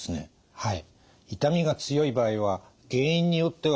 はい。